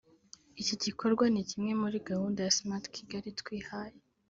“Iki gikorwa ni kimwe muri gahunda ya Smart Kigali twihaye